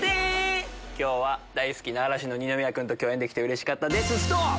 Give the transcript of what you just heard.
今日は大好きな嵐の二宮君と共演できてうれしかったですストップ！